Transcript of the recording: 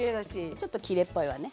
ちょっときれいっぽいわね。